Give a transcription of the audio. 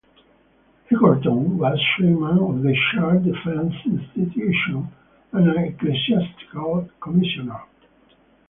Egerton was chairman of the Church Defence Institution, and an Ecclesiastical Commissioner.